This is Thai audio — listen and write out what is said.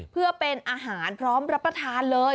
เพื่อเป็นอาหารพร้อมรับประทานเลย